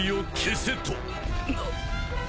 なっ！？